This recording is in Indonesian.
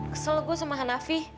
kesel gue sama hanafi